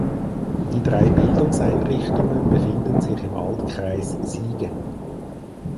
Die drei Bildungseinrichtungen befinden sich im Altkreis Siegen.